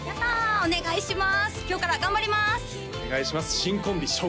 お願いします